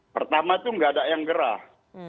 pertama itu nggak ada yang gerah